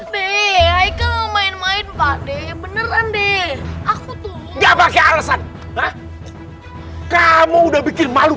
dek main main pade beneran deh aku tuh nggak pakai alasan kamu udah bikin malu